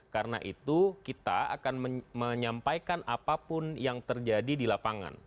karena itu kita akan menyampaikan apapun yang terjadi di lapangan